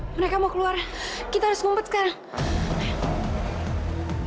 mereka mau keluar kita harus ngumpet sekarang